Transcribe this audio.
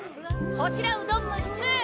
こちらうどん６つ！